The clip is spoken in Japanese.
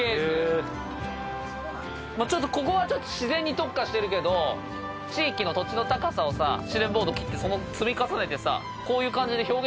ここは自然に特化してるけど地域の土地の高さをスチレンボード切ってそれ積み重ねてこういう感じで表現するのよ。